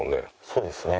そうですね。